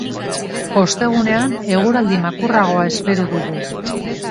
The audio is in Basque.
Ostegunean eguraldi makurragoa espero dugu.